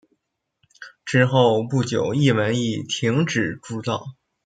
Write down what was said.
之后不久一文亦停止铸造。